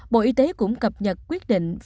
bộ y tế cũng cập nhật quyết định